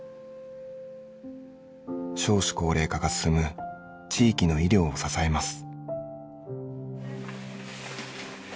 少子高齢化が進む地域の医療を支えます。